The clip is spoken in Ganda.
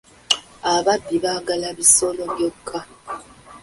Ababbi baagala bisolo byokka.